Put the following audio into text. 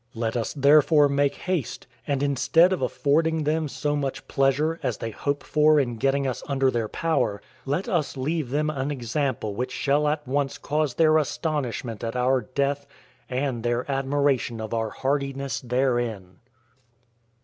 Let us therefore make haste, and instead of affording them so much pleasure, as they hope for in getting us under their power, let us leave them an example which shall at once cause their astonishment at our death, and their admiration of our hardiness therein."